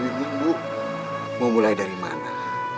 ibu mau mulai dari mana